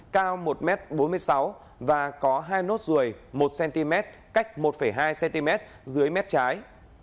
cao một m bốn mươi sáu và có hai nốt ruồi một cm cách một hai cm dưới mép trái